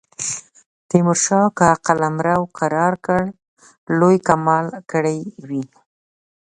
تیمورشاه که قلمرو کرار کړ لوی کمال کړی وي.